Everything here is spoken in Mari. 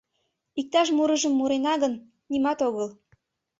Иктаж мурыжым мурена гын, нимат огыл.